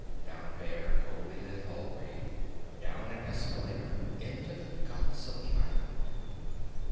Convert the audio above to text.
Down a bare coldly lit hallway, down an escalator, into the guts of the island.